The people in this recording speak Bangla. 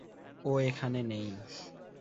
ও এখানে নেই।